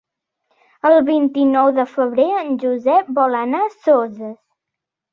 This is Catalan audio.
El vint-i-nou de febrer en Josep vol anar a Soses.